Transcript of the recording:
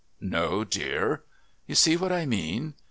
"No, dear." "You see what I mean?"